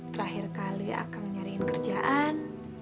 terakhir kali akang nyariin kerjaan